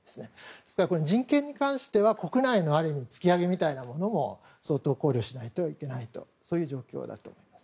ですから人権に関しては国内の、ある意味突き上げみたいなものも相当、考慮しないといけないという状況だと思います。